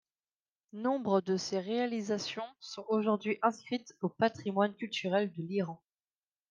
Nombre de ses réalisations sont aujourd'hui inscrites au patrimoine culturel de l'Iran.